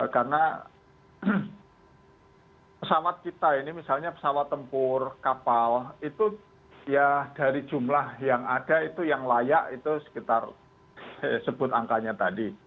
karena pesawat kita ini misalnya pesawat tempur kapal itu ya dari jumlah yang ada itu yang layak itu sekitar sebut angkanya tadi